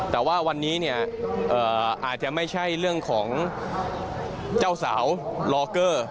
แต่ว่าวันนี้เนี่ยอาจจะไม่ใช่เรื่องของเจ้าสาวลอเกอร์